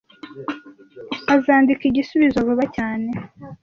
Azandika igisubizo vuba cyane.